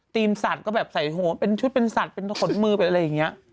ธีมสัตว์ก็แบบใส่หัวชุดเป็นสัตว์ขนมืออะไรอย่างนี้